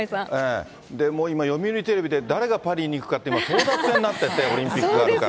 今、読売テレビで誰がパリに行くかって、争奪戦になってて、オリンピックがあるから。